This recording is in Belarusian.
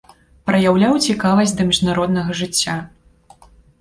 Праяўляў цікавасць да міжнароднага жыцця.